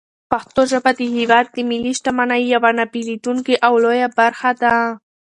پښتو ژبه د هېواد د ملي شتمنۍ یوه نه بېلېدونکې او لویه برخه ده.